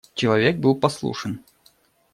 Человек был послушен.